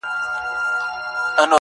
خولې اسمان ته د وړوكو د لويانو.!